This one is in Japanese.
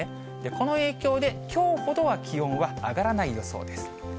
この影響で、きょうほどは気温は上がらない予想です。